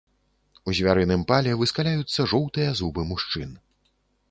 У звярыным пале выскаляюцца жоўтыя зубы мужчын.